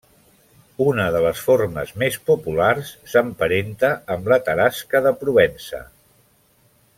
Una de les formes més populars, s'emparenta amb la Tarasca de Provença.